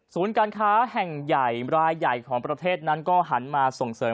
การค้าแห่งใหญ่รายใหญ่ของประเทศนั้นก็หันมาส่งเสริม